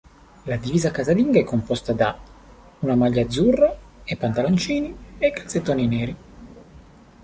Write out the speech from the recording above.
La divisa casalinga è composta da una maglia azzurra e pantaloncini e calzettoni neri.